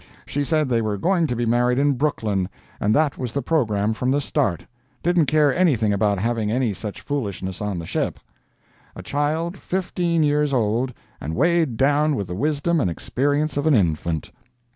She said they were going to be married in Brooklyn, and that was the programme from the start; didn't care anything about having any such foolishness on the ship! A child fifteen years old, and weighted down with the wisdom and experience of an infant!